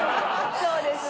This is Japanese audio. そうですね。